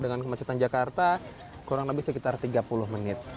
dengan kemacetan jakarta kurang lebih sekitar tiga puluh menit